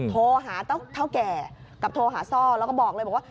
โทรหาเท่าแก่กับโทรหาซ่อแล้วก็บอกเลยบอกว่า